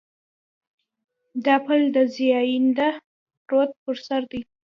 دا پل د زاینده رود پر سر دی.